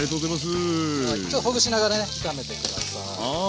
ちょっとほぐしながらね炒めてください。